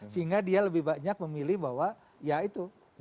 sehingga dia lebih banyak memilih bahwa ya itu